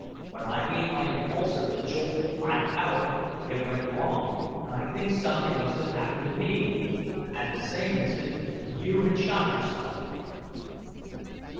When I gave my impulsor the jolt of high power, it went wrong and I think something must have happened to me. At the same instant, you had shot yourself.